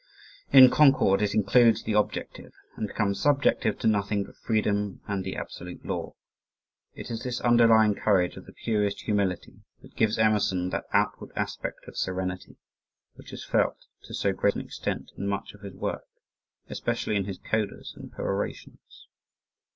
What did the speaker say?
In Concord it includes the objective and becomes subjective to nothing but freedom and the absolute law. It is this underlying courage of the purest humility that gives Emerson that outward aspect of serenity which is felt to so great an extent in much of his work, especially in his codas and perorations.